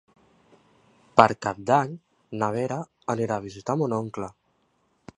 Per Cap d'Any na Vera anirà a visitar mon oncle.